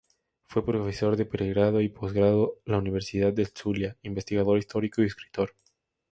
Fue profesor de pregrado y posgrado la Universidad del Zulia, investigador histórico y escritor.